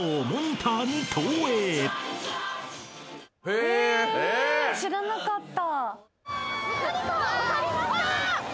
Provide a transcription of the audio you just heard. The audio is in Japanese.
へぇ知らなかった。